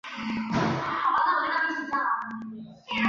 她可说是最负盛名的库尔德语诗人和作家之一。